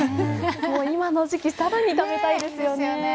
もう今の時期さらに食べたいですよね。